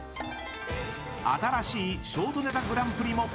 新しいショートネタグランプリも。